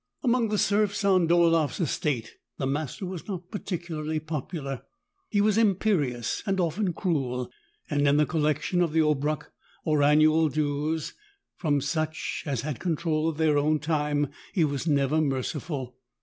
Among the serfs on DolaefPs estate, the master was not particularly popular. He was imperious, and often cruel, and in the collection of the obrok, or annual dues, from such as had control of their own time, he was never merciful.